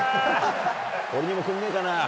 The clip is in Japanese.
俺にもくれねえかな。